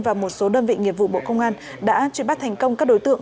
và một số đơn vị nghiệp vụ bộ công an đã truy bắt thành công các đối tượng